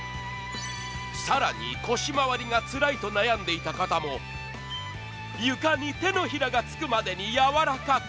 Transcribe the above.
更に腰回りがつらいと悩んでいた方も床に手のひらがつくぐらいやわらかく。